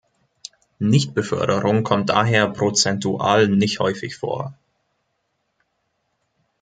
Nichtbeförderung kommt daher prozentual nicht häufig vor.